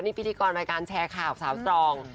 พิธีกรรายการแชร์ข่าวสาวตรอง